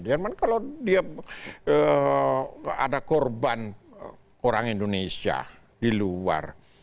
jerman kalau dia ada korban orang indonesia di luar